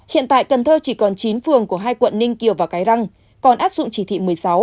hiện tại cần thơ chỉ còn chín phường của hai quận ninh kiều và cái răng còn áp dụng chỉ thị một mươi sáu